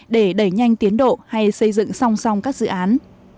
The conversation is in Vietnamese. để đẩy nhanh tiến độ hay xây dựng song song các dự án